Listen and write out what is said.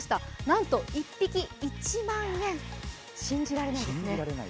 なんと１匹１万円、信じられないですね。